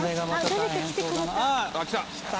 誰か来てくれた。